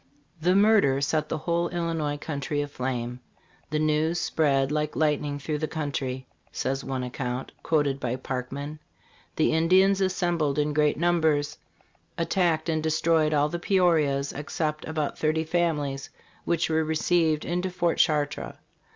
The murder set the whole Illinois country aflame. "The news spread like lightning through the country," says one account, quoted by Parkman.* "The Indians assembled in great numbers, attacked and destroyed all the Peorias, except about thirty families, which were received into fortChartres."